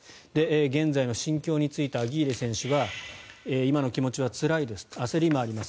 現在の心境についてアギーレ選手は今の気持ちはつらいです焦りもあります